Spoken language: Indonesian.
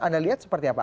anda lihat seperti apa